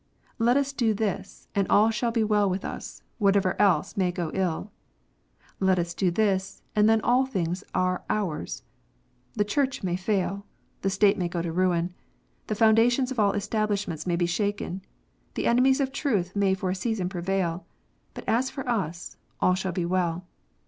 Let us do this, and all shall be well with us, whatever else may go ill. Let us do this, and then all things are ours. The Church may fail. The State may go to ruin. The foundations of all establishments may be shaken. The enemies of truth may for a season prevail. But as for us, all shall be well.